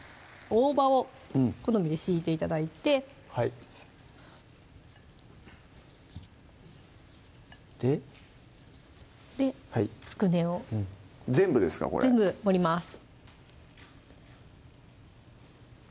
大葉を好みで敷いて頂いてはいでつくねを全部ですかこれ全部盛ります